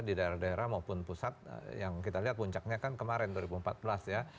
di daerah daerah maupun pusat yang kita lihat puncaknya kan kemarin dua ribu empat belas ya